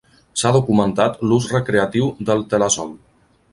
S'ha documentat l'ús recreatiu del Telazol.